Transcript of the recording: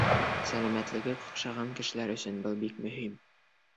Сәләмәтлеге ҡаҡшаған кешеләр өсөн был бик мөһим.